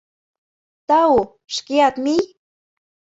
Тау, шкеат мий!